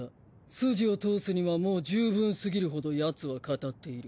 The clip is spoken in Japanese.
筋を通すにはもう十分すぎるほどヤツは語っている。